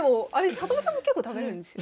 里見さんも結構食べれるんですっけ？